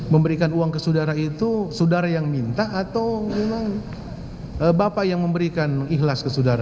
memberikan uang ke saudara itu saudara yang minta atau memang bapak yang memberikan ikhlas ke saudara